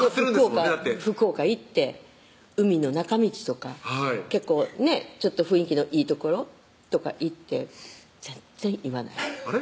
ねだって福岡行って海の中道とか結構ね雰囲気のいい所とか行って全然言わないあれ？